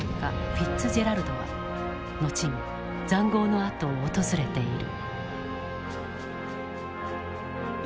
フィッツジェラルドは後に塹壕の跡を訪れている。